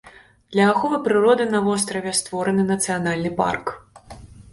Для аховы прыроды на востраве створаны нацыянальны парк.